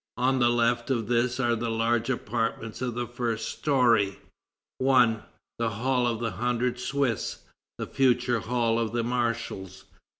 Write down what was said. On the left of this are the large apartments of the first story: 1. The Hall of the Hundred Swiss (the future Hall of the Marshals); 2.